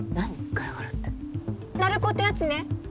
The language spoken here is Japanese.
ガラガラって鳴子ってやつね